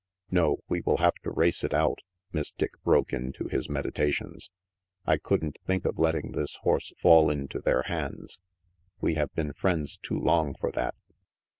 "No, we will have to race it out." Miss Dick broke into his meditations. "I couldn't think of letting this horse fall into their hands. We have been friends too long for that.